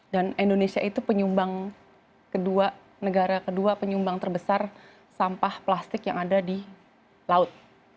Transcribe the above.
dan indonesia itu penyumbang kedua negara kedua penyumbang terbesar sampah plastik yang ada di laut